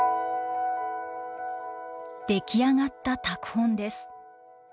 出来上がった拓本です。